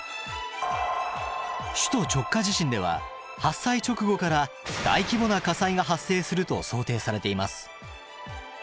首都直下地震では発災直後から大規模な火災が発生すると想定されています。